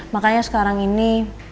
makanya sekarang ini